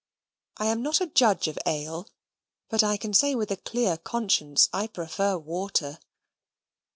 I am not a judge of ale, but I can say with a clear conscience I prefer water.